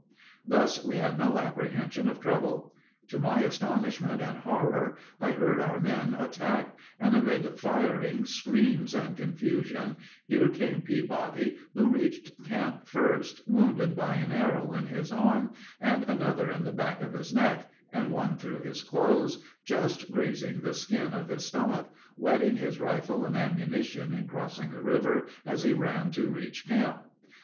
Thus, we had no apprehension of trouble. To my astonishment and horror I heard our men attacked, and amid firing, screams, and confusion, here came Peabody, who reached camp first, wounded by an arrow in his arm and another in the back of his neck, and one through his clothes, just grazing the skin of his stomach, wetting his rifle and ammunition in crossing the river as he ran to reach camp.